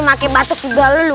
pake batuk juga lu